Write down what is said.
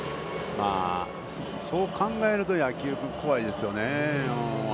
そう考えると野球は怖いですよね。